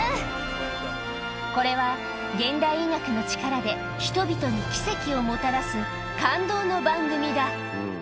これは、現代医学の力で人々に奇跡をもたらす感動の番組だ。